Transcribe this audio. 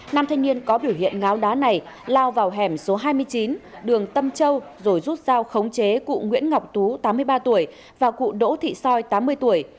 nam thanh niên có biểu hiện ngáo đá này lao vào hẻm số hai mươi chín đường tâm châu rồi rút dao khống chế cụ nguyễn ngọc tú tám mươi ba tuổi và cụ đỗ thị soi tám mươi tuổi